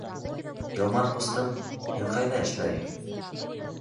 Илмар ҡустым, һин ҡайҙа эшләйһең?